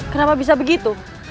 kenapa bisa begitu